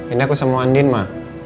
ini aku sama andin ma